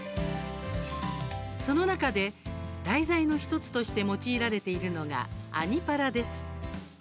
その中で題材の１つとして用いられているのが「アニ×パラ」です。